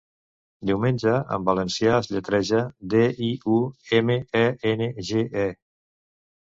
'Diumenge' en valencià es lletreja: de, i, u, eme, e, ene, ge, e.